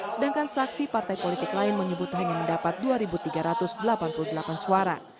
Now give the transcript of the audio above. sedangkan saksi partai politik lain menyebut hanya mendapat dua tiga ratus delapan puluh delapan suara